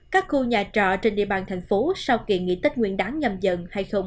các khu nhà trọ trên địa bàn thành phố sau kỳ nghỉ tết nguyên đán nhâm dần hai nghìn hai mươi hai